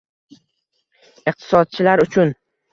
iqtisodchilar uchun